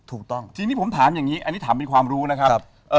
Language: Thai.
ถูกต้องทีนี้ผมถามอย่างนี้อันนี้ถามเป็นความรู้นะครับ